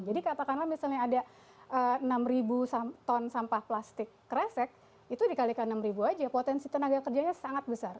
jadi katakanlah misalnya ada enam ribu ton sampah plastik keresek itu dikalikan enam ribu aja potensi tenaga kerjanya sangat besar